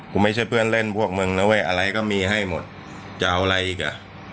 ไม่ใช่เพื่อนเล่นพวกมึงนะเว้ยอะไรก็มีให้หมดจะเอาอะไรอีกอ่ะ